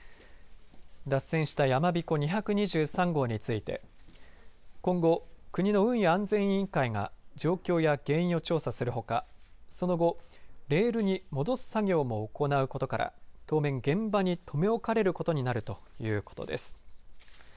脱線したやまびこ２２３号について今後、国の運輸安全委員会が状況や原因を調査するほかレールに戻す作業も行うことから当面、現場に留め置かれることになるということです。